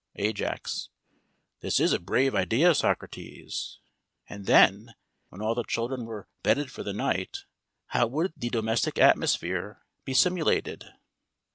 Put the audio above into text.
AJAX: This is a brave idea, Socrates. And then, when all the children were bedded for the night, how would the domestic atmosphere be simulated?